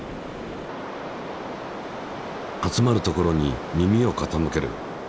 集まる所に耳を傾ける。